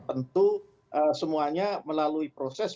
tentu semuanya melalui proses